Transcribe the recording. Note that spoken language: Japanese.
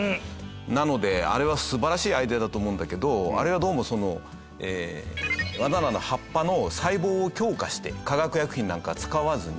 なのであれは素晴らしいアイデアだと思うんだけどあれはどうもそのバナナの葉っぱの細胞を強化して化学薬品なんか使わずに。